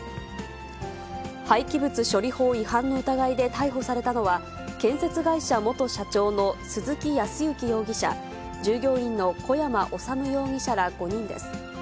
廃棄物処理法違反の疑いで逮捕されたのは、建設会社元社長の鈴木康之容疑者、従業員の小山修容疑者ら５人です。